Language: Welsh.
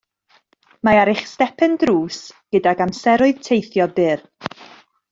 Mae ar eich stepen drws gydag amseroedd teithio byr